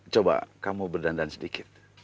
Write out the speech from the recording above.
coba kamu berdandan sedikit